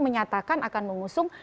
menyatakan akan mengusung